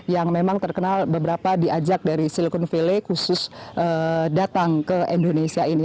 yang memang terkenal beberapa diajak dari silicon valley khusus datang ke indonesia ini